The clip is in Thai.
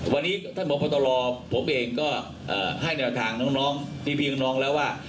วันนี้ท่านพบตรผมเองก็ให้แนวทางน้องพี่น้องแล้วว่า